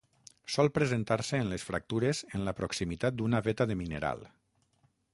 Sol presentar-se en les fractures en la proximitat d'una veta de mineral.